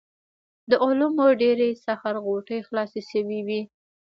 د علومو ډېرې سخر غوټې خلاصې شوې وې.